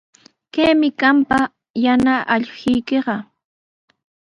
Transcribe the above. Kaymi qampa yana allquykiqa.